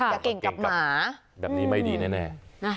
จะเก่งกับหมาแบบนี้ไม่ดีแน่แน่น่ะ